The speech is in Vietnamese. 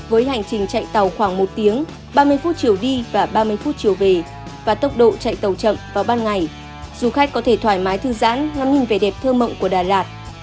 với hành trình chạy tàu khoảng một tiếng ba mươi phút chiều đi và ba mươi phút chiều về và tốc độ chạy tàu chậm vào ban ngày du khách có thể thoải mái thư giãn ngắm nhìn vẻ đẹp thơ mộng của đà lạt